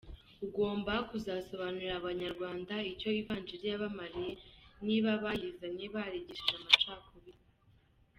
Ugomba kuzasobanurira abanyarwanda icyo Ivanjili yabamariye niba abayizanye barigishije amacakubiri.